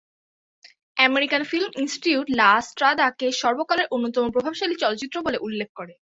American Film Institute "লা স্ত্রাদা"-কে সর্বকালের অন্যতম প্রভাবশালী চলচ্চিত্র বলে উল্লেখ করে।